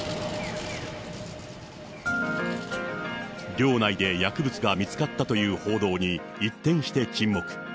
寮内で薬物が見つかったという報道に、一転して沈黙。